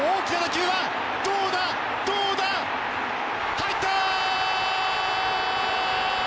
入った！